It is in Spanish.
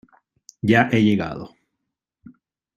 ya he llegado.